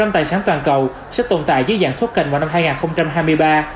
một mươi tài sản toàn cầu sẽ tồn tại dưới dạng token vào năm hai nghìn hai mươi ba